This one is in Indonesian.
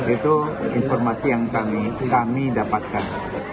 itu informasi yang kami dapatkan